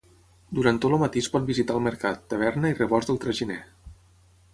Durant tot el matí es pot visitar el mercat, taverna i rebost del traginer.